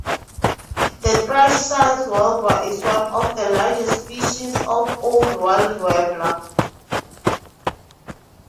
The thrush-sized warbler is one of the largest species of Old World warbler.